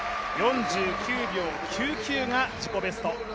４９秒９９が自己ベスト。